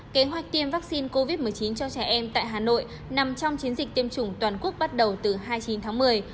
kế hoạch tiêm vaccine covid một mươi chín cho trẻ em tại hà nội nằm trong chiến dịch tiêm chủng toàn quốc bắt đầu từ hai mươi chín tháng một mươi